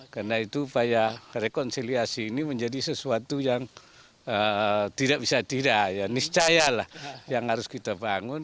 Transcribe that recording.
karena itu supaya rekonsiliasi ini menjadi sesuatu yang tidak bisa tidak yang niscaya lah yang harus kita bangun